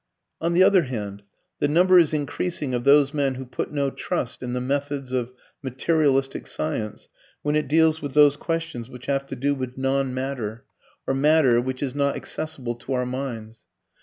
] On the other hand, the number is increasing of those men who put no trust in the methods of materialistic science when it deals with those questions which have to do with "non matter," or matter which is not accessible to our minds.